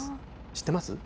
知ってます。